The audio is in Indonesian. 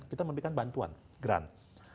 kita memberikan bantuan grant